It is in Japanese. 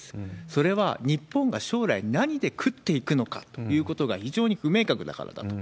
それは日本が将来何で食っていくのかということが非常に不明確だからだと。